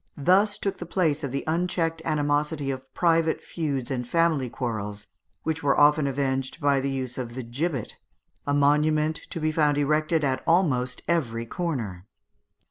299) thus took the place of the unchecked animosity of private feuds and family quarrels, which were often avenged by the use of the gibbet, a monument to be found erected at almost every corner.